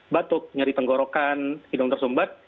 batuk nyari tenggorokan hidung tersumbat